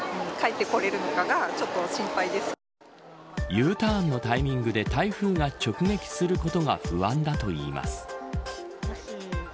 Ｕターンのタイミングで台風が直撃することが不安だといいます。